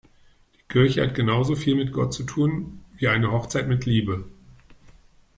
Die Kirche hat genauso viel mit Gott zu tun wie eine Hochzeit mit Liebe.